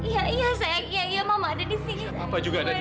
sebenarnya semua terjadi karena